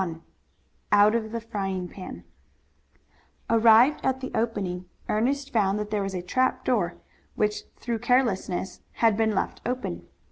CHAPTER XXI OUT OF THE FRYING PAN Arrived at the opening, Ernest found that there was a trap door, which through carelessness had been left open.